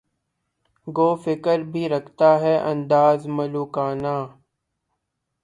گو فقر بھی رکھتا ہے انداز ملوکانہ